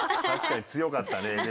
確かに強かったね。